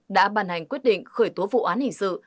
đã bàn hành quyết định khởi tố vụ án hình sự